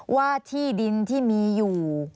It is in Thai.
ว่าที่ดินที่มีอยู่